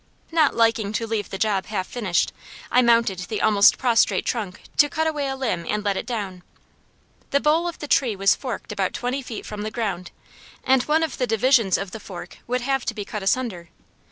Not liking to leave the job half finished, I mounted the almost prostrate trunk to cut away a limb and let it down. The bole of the tree was forked about twenty feet from the ground, and one of the divisions of the fork would have to be cut asunder.